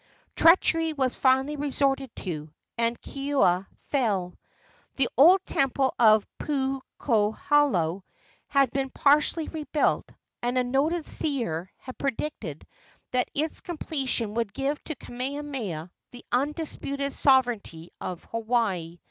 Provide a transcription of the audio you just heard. Treachery was finally resorted to, and Keoua fell. The old temple of Puukohola had been partially rebuilt, and a noted seer had predicted that its completion would give to Kamehameha the undisputed sovereignty of Hawaii.